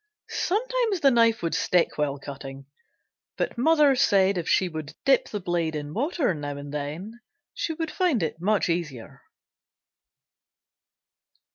Sometimes the knife would stick while cutting, but mother said if she would dip the blade in water now and then she would find it much easier.